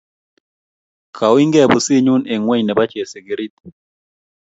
Kaunygei pusinyu eng ngweny nebo chesikirit